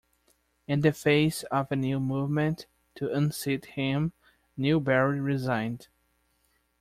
In the face of a new movement to unseat him, Newberry resigned.